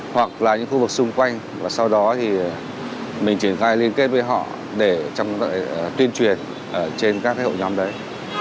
hoặc là những khu vực xung quanh và sau đó thì mình triển khai liên kết với họ để trong tuyên truyền trên các hội nhóm đấy